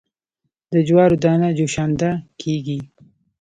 د جوارو دانه جوشانده کیږي.